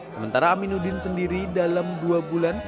sementara aminuddin sendiri dalam dua bulan